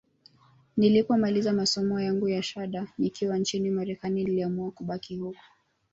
Nilipomaliza masomo yangu ya shahada nikiwa nchini Marekani niliamua kubaki huko